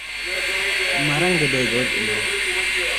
ᱢᱟᱨᱟᱝ ᱜᱮᱰᱮ ᱜᱚᱡ ᱮᱱᱟᱭ᱾